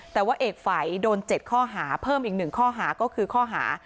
แต่ว่าเอกฝัยโดน๗ข้อหาเพิ่มอีก๑ข้อหาก็คือข้อหา